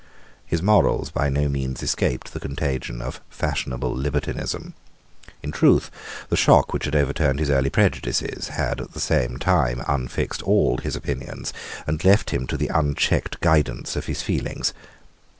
His morals by no means escaped the contagion of fashionable libertinism. In truth the shock which had overturned his early prejudices had at the same time unfixed all his opinions, and left him to the unchecked guidance of his feelings.